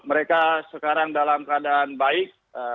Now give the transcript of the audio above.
mereka sekarang dalam keadaan baik